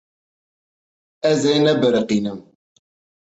Ez ê nebiriqînim.